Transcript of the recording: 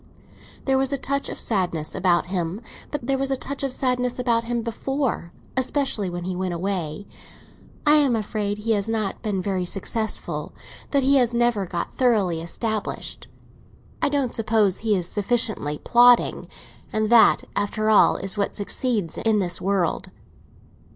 There was a touch of sadness about him; but there was a touch of sadness about him before—especially when he went away. I am afraid he has not been very successful—that he has never got thoroughly established. I don't suppose he is sufficiently plodding, and that, after all, is what succeeds in this world."